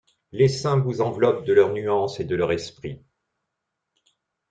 Les saints vous enveloppent de leur nuance et de leur esprit.